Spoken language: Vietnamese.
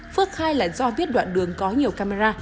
phước khai là do biết đoạn đường có nhiều camera